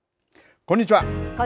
こんにちは。